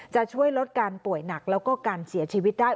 จะช่วยลดการป่วยหนักแล้วก็การเสียชีวิตได้